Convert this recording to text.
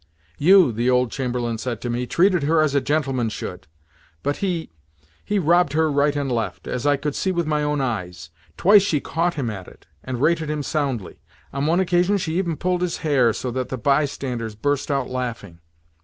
"You," the old chamberlain said to me, "treated her as a gentleman should, but he—he robbed her right and left, as I could see with my own eyes. Twice she caught him at it, and rated him soundly. On one occasion she even pulled his hair, so that the bystanders burst out laughing.